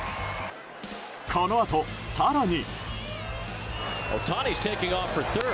このあと更に。